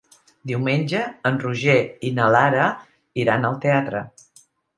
Diumenge en Roger i na Lara iran al teatre.